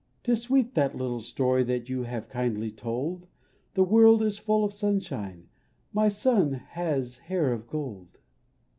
'Tis sweet that little story That you have kindly told. The world is full of sunshine, My son has hair of gold